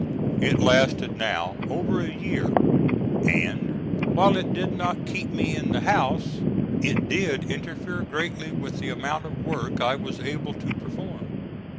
It lasted now over a year, and, while it did not keep me in the house, it did interfere greatly with the amount of work I was able to perform.